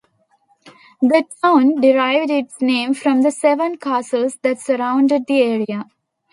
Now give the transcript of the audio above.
The town derived its name from the seven castles that surrounded the area.